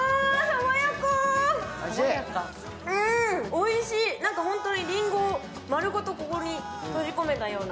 おいしい、ホントにりんごを丸ごとここに閉じ込めたような。